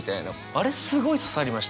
あれすごい刺さりました。